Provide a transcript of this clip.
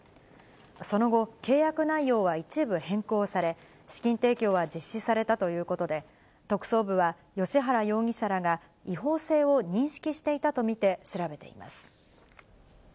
その後、契約内容は一部変更され、資金提供は実施されたということで、特捜部は、芳原容疑者らが違法性を認識していたと見て調べています。